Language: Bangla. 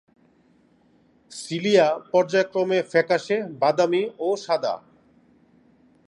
সিলিয়া পর্যায়ক্রমে ফ্যাকাশে বাদামি ও সাদা।